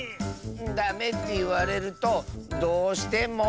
ダメっていわれるとどうしても。